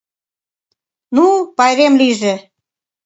— Ну, пайрем лийже.